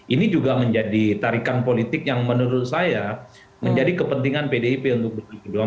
ini juga menjadi tarikan politik yang menurut saya menjadi kepentingan pdip untuk dua ribu dua puluh empat